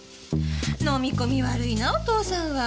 飲み込み悪いなぁお父さんは。